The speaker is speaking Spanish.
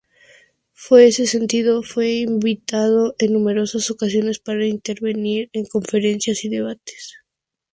En ese sentido, fue invitado en numerosas ocasiones para intervenir en conferencias y debates.